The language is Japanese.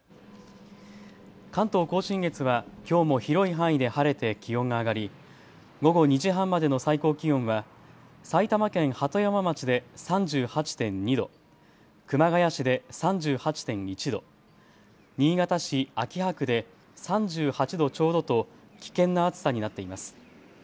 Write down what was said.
関東甲信越はきょうも広い範囲で晴れて気温が上がり午後２時半までの最高気温は埼玉県鳩山町で３８．２度、熊谷市で３８．１度、新潟市秋葉区で３８度ちょうどと危険な暑さになっています。